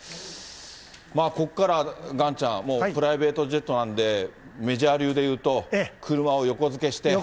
ここからがんちゃん、もうプライベートジェットなんで、メジャー流でいうと、横付けして。